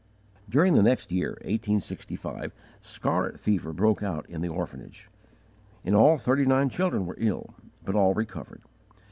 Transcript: During the next year, 1865 6, scarlet fever broke out in the orphanage. In all thirty nine children were ill, but all recovered.